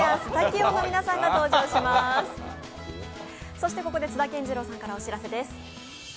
そして、ここで津田健次郎さんからお知らせです。